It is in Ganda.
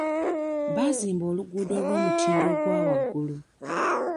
Bazimba oluguudo olw'omutindo ogwa waggulu.